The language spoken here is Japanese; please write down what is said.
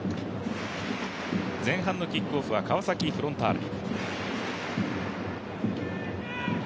前半のキックオフは川崎フロンターレ。